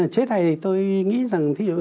chế tài thì tôi nghĩ rằng